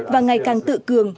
và ngày càng tự cường